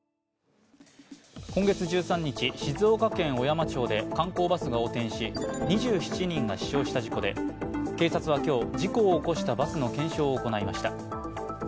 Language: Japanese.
今月１３日、静岡県小山町で観光バスが横転し、２７人が死傷した事故で警察は今日事故を起こしたバスの検証を行いました。